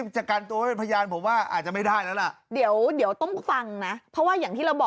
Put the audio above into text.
ว่าเราจับแจ๊ปได้แล้วใช่ไหมครับ